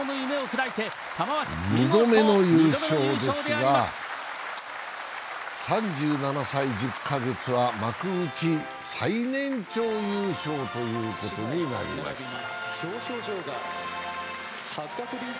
２度目の優勝ですが、３７歳１０か月は幕内最年長優勝ということになりました。